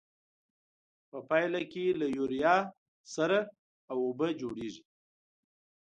په پایله کې له یوریا سره او اوبه جوړیږي.